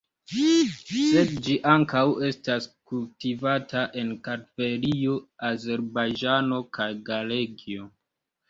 Sed ĝi ankaŭ estas kultivata en Kartvelio, Azerbajĝano kaj Galegio.